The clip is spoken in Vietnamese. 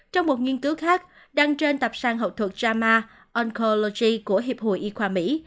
trong một nghiên cứu khác đăng trên tập sang học thuật jama oncology của hiệp hội y khoa mỹ